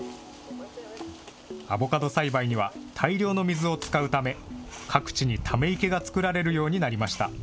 アボカド栽培には、大量の水を使うため、各地にため池が作られるようになりました。